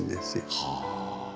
はあ。